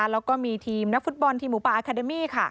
แล้วก็มีทีมนักฟุตบอลทีมหมูป่าอาคาเดมี่